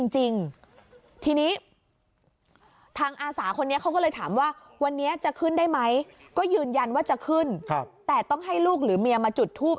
จริงทีนี้ทางอาสาคนนี้เขาก็เลยถามว่าวันนี้จะขึ้นได้ไหมก็ยืนยันว่าจะขึ้นแต่ต้องให้ลูกหรือเมียมาจุดทูป